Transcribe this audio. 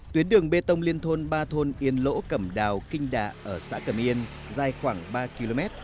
tuyến đường bê tông liên thôn ba thôn yên lỗ cầm đào kinh đạ ở xã cẩm yên dài khoảng ba km